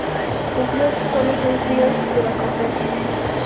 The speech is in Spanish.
Cumplió solo seis días de la condena.